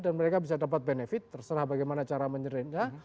dan mereka bisa dapat benefit terserah bagaimana cara menyerahnya